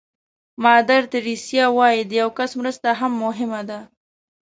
مادر تریسیا وایي د یو کس مرسته هم مهمه ده.